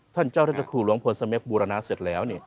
ท่านเจ้าท่านเจ้าคู่หลวงพลเสม็กบูรณาเสร็จแล้ว